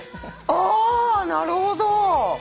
あなるほど！